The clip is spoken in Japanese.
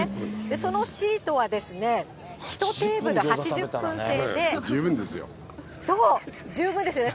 そのシートはですね、１テーブル８０分制で、十分ですよね。